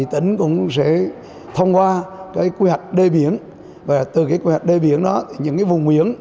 chính cũng sẽ thông qua cái quy hoạch đê biển và từ cái quy hoạch đê biển đó thì những cái vùng biển